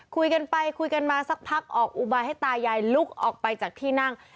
คุยกันไปคุยกันมาสักพักออกอุบายให้ตายายลุกออกไปจากที่นั่ง